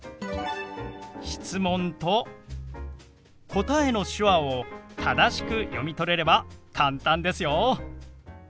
質問と答えの手話を正しく読み取れれば簡単ですよ。